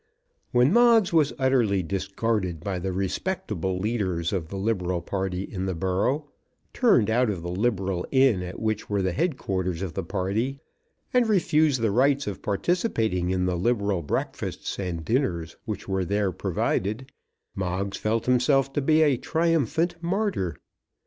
When Moggs was utterly discarded by the respectable leaders of the liberal party in the borough, turned out of the liberal inn at which were the head quarters of the party, and refused the right of participating in the liberal breakfasts and dinners which were there provided, Moggs felt himself to be a triumphant martyr.